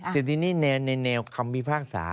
แต่ทีนี้ในแนวคำพิพากษา